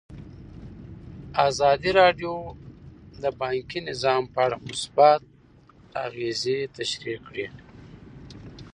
ازادي راډیو د بانکي نظام په اړه مثبت اغېزې تشریح کړي.